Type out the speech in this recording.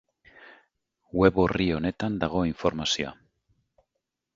Web orri honetan dago informazioa.